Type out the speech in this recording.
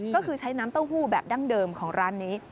ก็คือใช้น้ำเต้าหู้แบบดั้งเดิมของร้านนี้